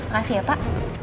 makasih ya pak